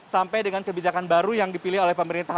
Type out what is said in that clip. sampai dengan kebijakan baru yang dipilih oleh pemerintah